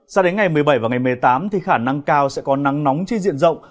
sao đến ngày một mươi bảy và ngày một mươi tám khả năng cao sẽ có nắng nóng trên diện rộng